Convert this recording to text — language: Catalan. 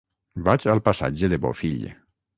Vaig al passatge de Bofill.